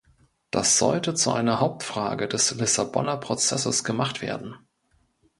Das sollte zu einer Hauptfrage des Lissabonner Prozesses gemacht werden.